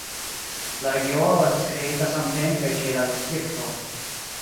La regiono estis kreita samtempe kiel la distrikto.